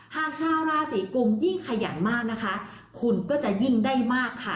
หากชาวราศีกุมยิ่งขยันมากนะคะคุณก็จะยิ่งได้มากค่ะ